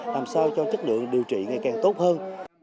làm sao cho chất lượng điều trị ngày càng tốt hơn